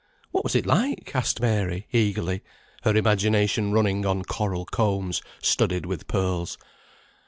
"What was it like?" asked Mary, eagerly; her imagination running on coral combs, studded with pearls.